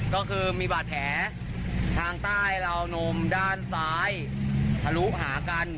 ก็คือมีบาดแผลทางใต้ราวนมด้านซ้ายทะลุหากัน